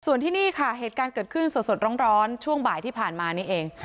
ส่วนที่นี่ค่ะเหตุการณ์เกิดขึ้นสดร้อนช่วงบ่ายที่ผ่านมานี่เอง